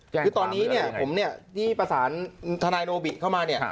คือตอนนี้เนี่ยผมเนี่ยที่ประสานทนายโนบิเข้ามาเนี่ย